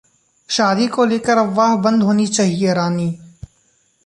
शादी को लेकर अफवाह बंद होनी चाहिए: रानी